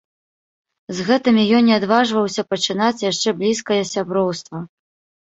З гэтымі ён не адважваўся пачынаць яшчэ блізкае сяброўства.